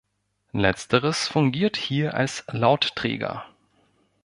Letzteres fungiert hier als Lautträger.